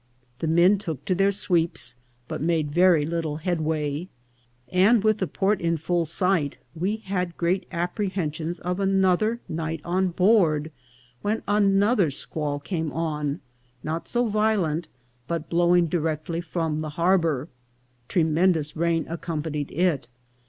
The men took to their sweeps, but made very little headway ; and, with the port in full sight, we had great apprehen ARRIVAL AT LAGUNA. 389 sions of another night on board, when another squall came on, not so violent, but blowing directly from the harbour. Tremendous rain accompanied it.